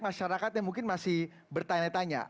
masyarakatnya mungkin masih bertanya tanya